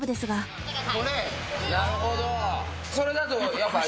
なるほど。